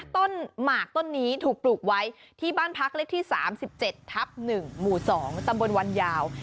หมากต้นนี้ถูกปลูกไว้ที่บ้านพักเลขที่๓๗ทับ๑หมู่๒ตำบลวันยาว